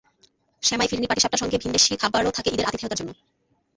সেমাই, ফিরনি, পাটি সাপটার সঙ্গে ভিন দেশি খাবারও থাকে ঈদের আতিথিয়তার জন্য।